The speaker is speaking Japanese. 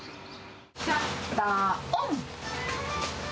シャッターオン。